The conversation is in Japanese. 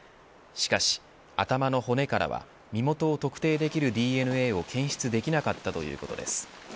しかし頭の骨からは身元を特定できるＤＮＡを検出できなかったということです。